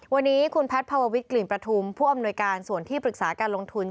วันนี้คุณแพทย์ภาววิทยกลิ่นประทุมผู้อำนวยการส่วนที่ปรึกษาการลงทุน